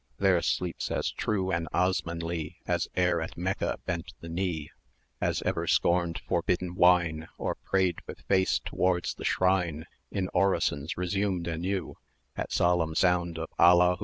There sleeps as true an Osmanlie As e'er at Mecca bent the knee; 730 As ever scorned forbidden wine, Or prayed with face towards the shrine, In orisons resumed anew At solemn sound of "Alla Hu!"